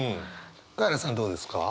カエラさんどうですか？